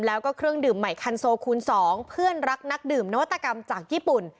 แล้วก็เครื่องดื่มใหม่คันโซคูณ๒เพื่อนรักนักดื่มนวัตกรรมจากญี่ปุ่น